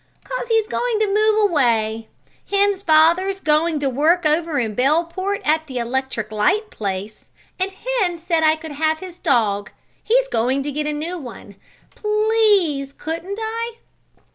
"'Cause he's going to move away. Hen's father's going to work over in Bellport at the electric light place and Hen said I could have his dog. He's going to get a new one. Please, couldn't I?"